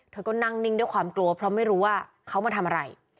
เธอก็นั่งนิ่งด้วยความกลัวเพราะไม่รู้ว่าเขามาทำอะไร